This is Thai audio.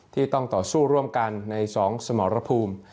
ที่ต้องต่อสู้ร่วมกันใน๒สมรภูมิ